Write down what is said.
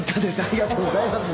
ありがとうございます。